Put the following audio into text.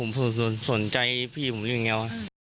ผมไม่รู้อย่างนั้นผมสนใจพี่ผมอยู่อย่างนี้ว่ะ